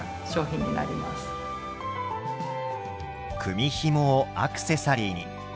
組みひもをアクセサリーに。